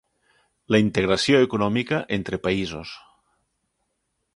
La integració econòmica entre països.